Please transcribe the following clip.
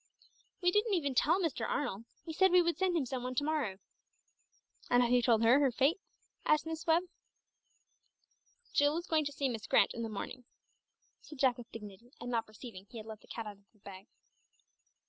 "We didn't even tell Mr. Arnold; we said we would send him some one to morrow." "And have you told her her fate?" asked Miss Webb. "Jill is going to see Miss Grant in the morning," said Jack with dignity, and not perceiving he had let the cat out of the bag.